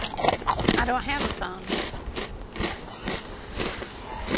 I don't have a phone.